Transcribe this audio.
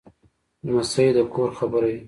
لمسی د کور خبره وي.